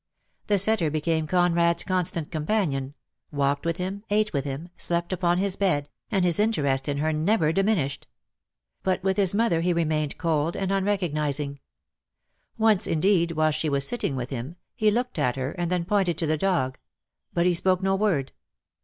The setter became Conrad's constant companion, walked with him, ate with him, slept upon his bed, and his interest in her never diminished. But DEAD LOVE HAS CHAINS. 95 with his mother he remained cold and unrecognising. Once, indeed, while she was sitting with him, he looked at her, and then pointed to the dog; but he spoke no word.